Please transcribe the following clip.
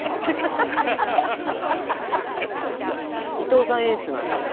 伊藤さん演出なんすよ。